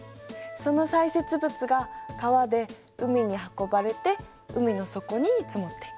その砕屑物が川で海に運ばれて海の底に積もっていく。